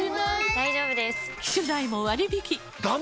大丈夫です！